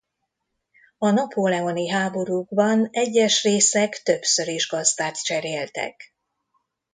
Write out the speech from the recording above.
A napóleoni háborúkban egyes részek többször is gazdát cseréltek.